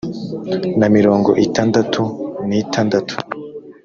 na mirongo itandatu n itandatu